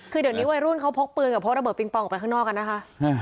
คือเดี๋ยวนี้วัยรุ่นเขาพกปืนกับพกระเบิงปองออกไปข้างนอกกันนะคะ